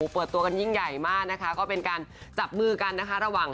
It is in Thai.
เปิดตัวกันยิ่งใหญ่มากนะคะก็เป็นการจับมือกันนะคะระหว่าง